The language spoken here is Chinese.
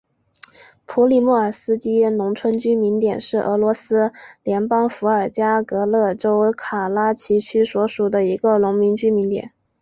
普里莫尔斯基农村居民点是俄罗斯联邦伏尔加格勒州卡拉奇区所属的一个农村居民点。